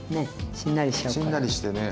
しんなりしてね。